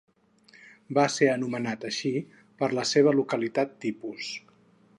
Va ser anomenat així per la seva localitat tipus.